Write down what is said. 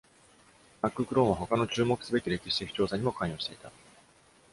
McCrone は他の注目すべき歴史的調査にも関与していた。